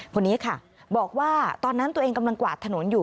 คนนี้ค่ะบอกว่าตอนนั้นตัวเองกำลังกวาดถนนอยู่